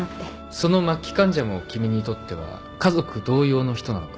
その末期患者も君にとっては家族同様の人なのか？